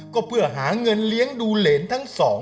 ก็เพื่อหาเงินเลี้ยงดูเหรนทั้งสอง